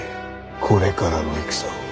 これからの戦を。